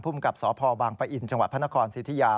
กับสพบางปะอินจังหวัดพระนครสิทธิยา